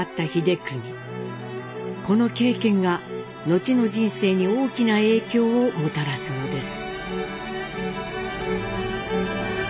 この経験が後の人生に大きな影響をもたらすのです。